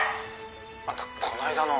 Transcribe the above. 「あんたこの間の」